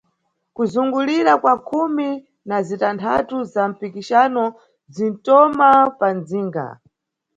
Kuzungulira kwa khumi na zitanthatu za mpikixano zintoma pa mʼdzinga.